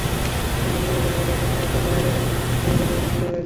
আবাসিক মেডিকেল কর্মকর্তা আবদুস সালাম তাঁর মায়ের অসুস্থতাজনিত কারণে ছুটিতে রয়েছেন।